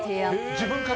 自分から？